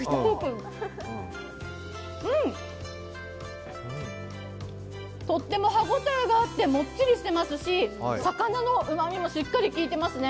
うん、とっても歯応えがあってもっちりしていますし、魚のうまみもしっかり効いてますね。